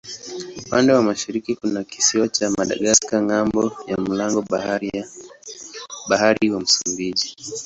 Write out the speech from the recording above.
Upande wa mashariki kuna kisiwa cha Madagaska ng'ambo ya mlango bahari wa Msumbiji.